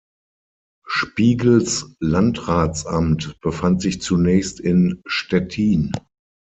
Spiegels Landratsamt befand sich zunächst in Stettin.